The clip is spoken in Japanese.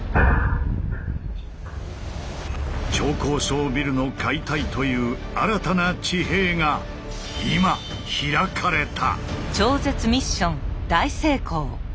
超高層ビルの解体という新たな地平が今開かれた！